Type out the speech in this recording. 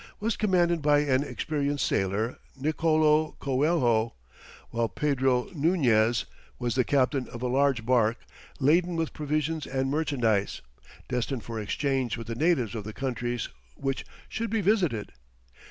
was commanded by an experienced sailor, Nicolo Coelho, while Pedro Nuñes was the captain of a large barque, laden with provisions and merchandise, destined for exchange with the natives of the countries which should be visited.